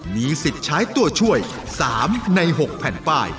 มีสิทธิ์ใช้ตัวช่วย๓ใน๖แผ่นป้าย